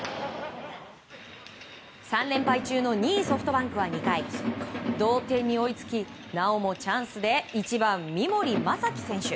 ３連敗中の２位、ソフトバンクは２回同点に追いつきなおもチャンスで１番、三森大貴選手。